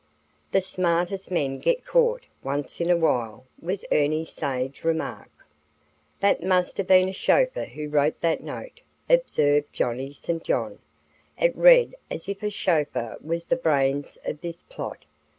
"The smartest men get caught once in a while," was Ernie's sage remark. "That must have been a chauffeur who wrote that note," observed Johnny St. John. "It read as if a chauffeur was the brains of this plot.